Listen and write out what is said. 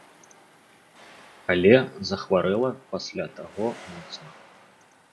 Але захварэла пасля таго моцна.